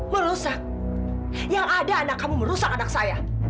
merusak yang ada anak kamu merusak anak saya